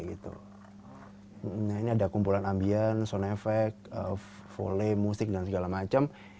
ini ada kumpulan ambien sound effect foley musik dan segala macam